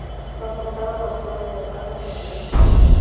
Fue apresado, torturado y ahorcado en Berlín